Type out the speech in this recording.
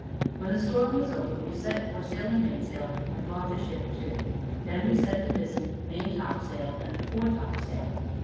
When the storm was over, we set foresail and mainsail, and brought the ship to. Then we set the mizzen, maintopsail, and the foretopsail.